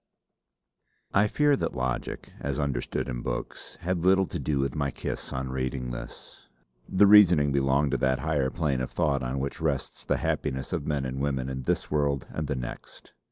I fear that logic, as understood in books, had little to do with my kiss on reading this; the reasoning belonged to that higher plane of thought on which rests the happiness of men and women in this world and the next.